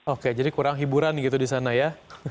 oke jadi kurang hiburan gitu di sana ya